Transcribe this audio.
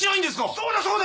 そうだそうだ！